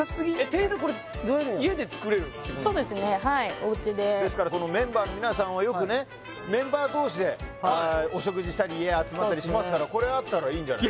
店員さんこれそうですねはいおうちでですからこのメンバーの皆さんはよくねメンバー同士でお食事したり家集まったりしますからこれあったらいいんじゃない？